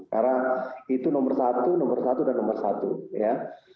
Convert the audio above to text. karena itu nomor satu nomor satu dan nomor satu ya